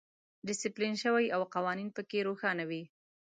ډیسپلین شوی او قوانین پکې روښانه وي.